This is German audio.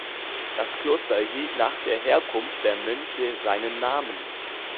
Das Kloster erhielt nach der Herkunft der Mönche seinen Namen.